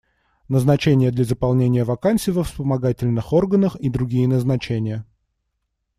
Назначения для заполнения вакансий во вспомогательных органах и другие назначения.